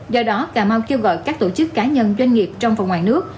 do đó cà mau kêu gọi các tổ chức cá nhân doanh nghiệp trong và ngoài nước